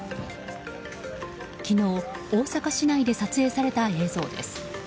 昨日、大阪市内で撮影された映像です。